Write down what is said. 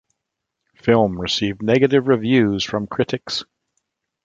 Film received negative reviews from critics.